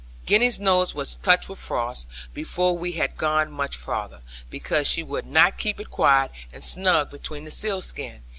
Gwenny's nose was touched with frost, before we had gone much farther, because she would not keep it quiet and snug beneath the sealskin.